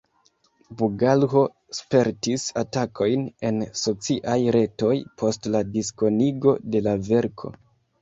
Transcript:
Bugalho spertis atakojn en sociaj retoj post la diskonigo de la verko.